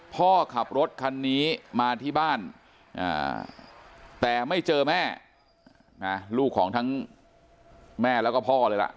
พ่อขับรถคันนี้มาที่บ้านแต่ไม่เจอแม่ลูกของทั้งแม่แล้วก็พ่อเลยล่ะ